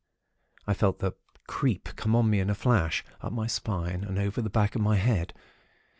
"I felt the 'creep' come on me in a flash, up my spine and over the back of my head.